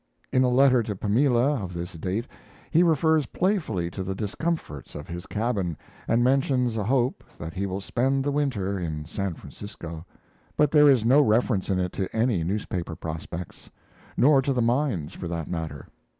In a letter to Pamela of this date he refers playfully to the discomforts of his cabin and mentions a hope that he will spend the winter in San Francisco; but there is no reference in it to any newspaper prospects nor to the mines, for that matter.